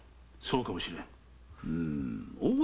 そうかもしれぬ。